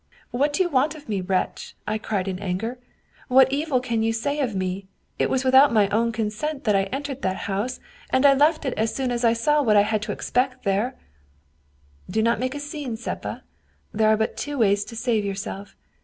' What do you want of me, wretch?' I cried in anger. 'What evil can you say of me? It was without my own consent that I entered that house, and I left it as soon as I saw what I had to expect there/ "' Do not make a scene, Seppa. There are but two ways to save yourself.